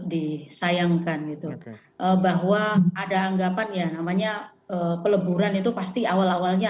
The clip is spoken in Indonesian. disayangkan gitu bahwa ada anggapan ya namanya peleburan itu pasti awal awalnya